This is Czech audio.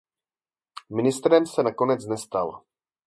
Ministrem se nakonec nestal.